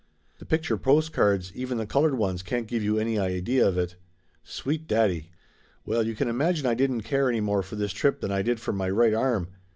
The picture postcards, even the colored ones, can't give you any idea of it. Sweet daddy ! Well, you can imagine I didn't care any more for this trip than I did for my right arm!